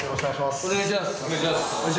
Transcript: お願いします。